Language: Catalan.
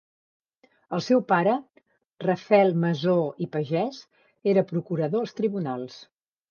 El seu pare, Rafael Masó i Pagès, era procurador als tribunals.